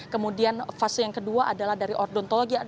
kemudian fase yang kedua adalah dari ordontologi